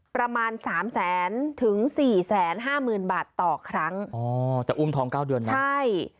ประมาณสามแสนถึงสี่แสนห้าหมื่นบาทต่อครั้งอ๋อแต่อุ้มทองเก้าเดือนนะใช่